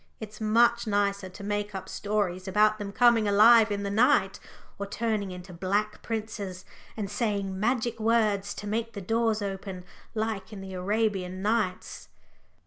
It's much nicer to make up stories about them coming alive in the night, or turning into black princes and saying magic words to make the doors open like in the Arabian Nights."